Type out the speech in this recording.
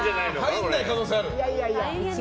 入らない可能性ある。